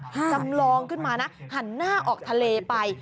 จำลองขึ้นมานะหันหน้าออกทะเลไป